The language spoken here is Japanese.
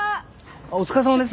お疲れさまです。